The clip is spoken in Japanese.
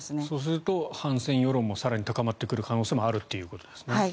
そうすると反戦世論も更に高まってくる可能性もあるということですね。